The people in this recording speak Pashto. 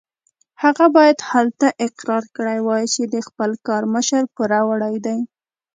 هغه باید هلته اقرار کړی وای چې د خپل کار مشر پوروړی دی.